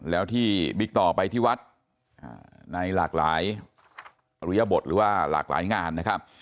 แล้วที่บิกต่อไปที่วัดในหลากหลายอุณหยบดหรือหลากหลายงาน